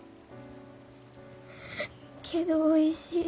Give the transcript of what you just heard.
けどおいしい。